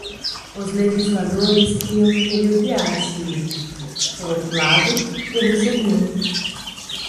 Os legisladores queriam que ele o guiasse e, por outro lado, ele o seguiu.